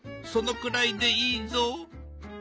そのくらいでいいぞ。